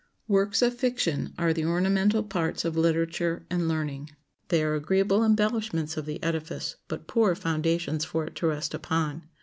Works of fiction are the ornamental parts of literature and learning. They are agreeable embellishments of the edifice, but poor foundations for it to rest upon.